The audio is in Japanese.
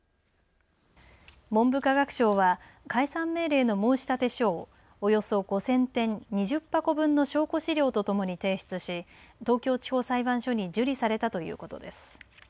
文部科学省は解散命令の申立書をおよそ５０００点２０箱分の証拠資料とともに提出し東京地方裁判所に受理されたということです。